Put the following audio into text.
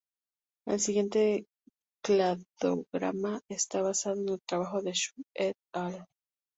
El siguiente cladograma esta basado en el trabajo de Xu "et al.